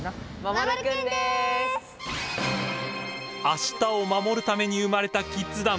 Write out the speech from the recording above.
明日をまもるために生まれたキッズ団